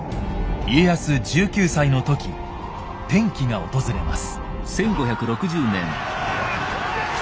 家康１９歳の時転機が訪れます。